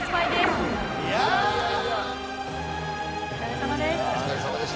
お疲れさまです。